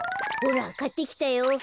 ほらかってきたよ。